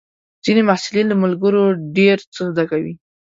ځینې محصلین له ملګرو ډېر څه زده کوي.